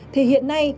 thì hiện nay